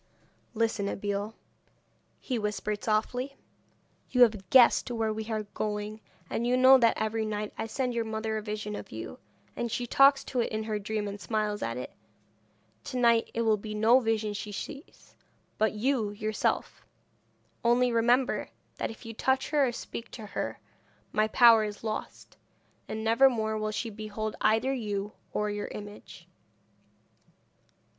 'Listen, Abeille,' he whispered softly. 'You have guessed where we are going, and you know that every night I send your mother a vision of you, and she talks to it in her dream, and smiles at it. To night it will be no vision she sees, but you yourself; only remember, that if you touch her or speak to her my power is lost, and never more will she behold either you or your image.'